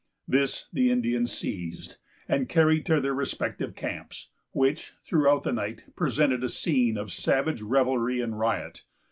This the Indians seized, and carried to their respective camps, which, throughout the night, presented a scene of savage revelry and riot.